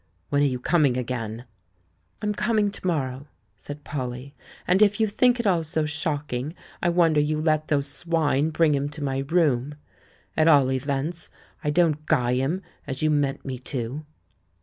When are you coming again?" "I'm coming to morrow," said Polly. "And if you think it all so shocking, I wonder you let those swine bring him to my room. At all events, I don't guy him, as you meant me to."